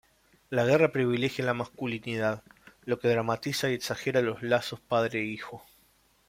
La guerra privilegia la masculinidad, lo que dramatiza y exagera los lazos padre-hijo.